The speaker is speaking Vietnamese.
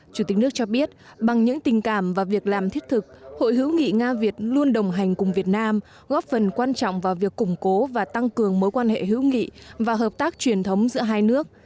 chủ tịch nước cho biết bằng những tình cảm và việc làm thiết thực hội hữu nghị nga việt luôn đồng hành cùng việt nam góp phần quan trọng vào việc củng cố và tăng cường mối quan hệ hữu nghị và hợp tác truyền thống giữa hai nước